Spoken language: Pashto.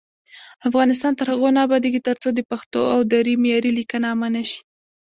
افغانستان تر هغو نه ابادیږي، ترڅو د پښتو او دري معیاري لیکنه عامه نشي.